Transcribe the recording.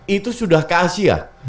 itu sudah ke asia